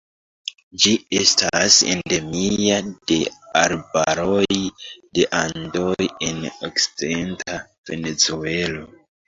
Ĝi estas endemia de arbaroj de Andoj en okcidenta Venezuelo.